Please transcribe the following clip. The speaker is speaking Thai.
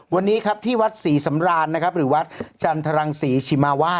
วันนี้ที่วัดศรีสำรานหรือวัดจันทรังศรีชิมาวาท